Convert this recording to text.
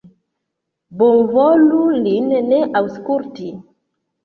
Bonvolu lin ne aŭskulti!